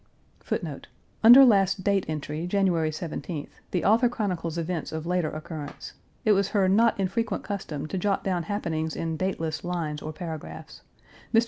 1 1. Under last date entry, January 17th, the author chronicles events of later occurrence; it was her not infrequent custom to jot down happenings in dateless lines or paragraphs. Mr.